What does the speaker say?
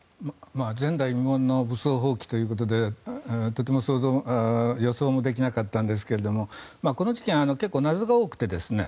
前代未聞の武装蜂起ということでとても予想もできなかったんですけれどもこの事件は結構謎が多いんです。